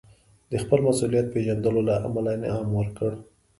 د خپل مسوولیت پېژندلو له امله انعام ورکړ.